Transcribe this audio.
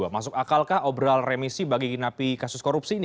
masuk akalkah obral remisi bagi napi kasus korupsi ini